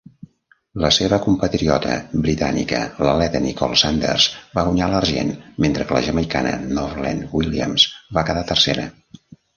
La seva compatriota britànica, l'atleta Nicola Sanders, va guanyar l'argent, mentre que la jamaicana Novlene Williams va quedar tercera.